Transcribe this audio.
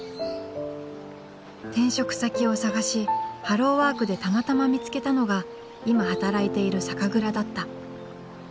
転職先を探しハローワークでたまたま見つけたのが今働いている酒蔵だった。